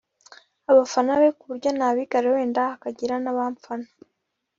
abafana be ku buryo nabigarurira wenda hakagira nabamfana